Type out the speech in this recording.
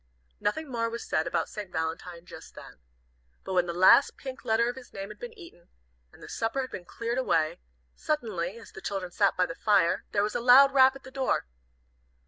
Nothing more was said about St. Valentine just then. But when the last pink letter of his name had been eaten, and the supper had been cleared away, suddenly, as the children sat by the fire, there was a loud rap at the door.